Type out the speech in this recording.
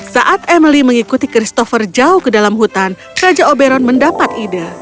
saat emily mengikuti christopher jauh ke dalam hutan raja oberon mendapat ide